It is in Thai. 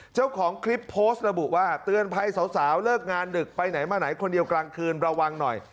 เจ้าของคลิปโพสต์ระบุว่าเตือนภัยสาวเลิกงานดึกไปไหนมาไหนคนเดียวกลางคืนระวังหน่อย